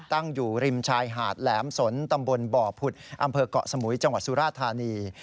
ตั้งอยู่ริมชายหาดแหลมสนตำบลบ่อผุดอำเภอกเกาะสมุยจังหวัดสุราธานี